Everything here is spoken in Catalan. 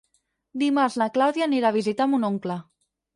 Dimarts na Clàudia anirà a visitar mon oncle.